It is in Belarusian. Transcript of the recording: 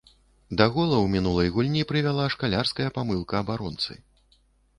Да гола ў мінулай гульні прывяла шкалярская памылка абаронцы.